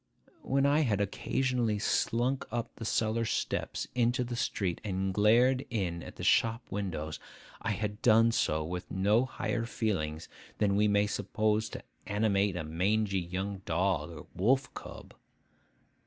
When I had occasionally slunk up the cellar steps into the street, and glared in at shop windows, I had done so with no higher feelings than we may suppose to animate a mangy young dog or wolf cub.